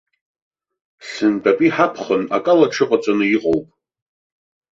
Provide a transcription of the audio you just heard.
Сынтәатәи ҳаԥхын акала аҽыҟаҵаны иҟоуп.